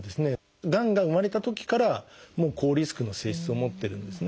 がんが生まれたときから高リスクの性質を持ってるんですね。